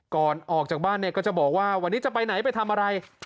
ก่อนออกจากบ้านเนี่ยก็จะบอกว่าวันนี้จะไปไหนไปทำอะไร